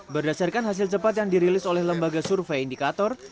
berdasarkan hasil cepat yang dirilis oleh lembaga survei indikator